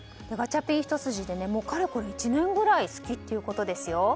ガチャピンひと筋でかれこれ１年ぐらい好きっていうことですよ。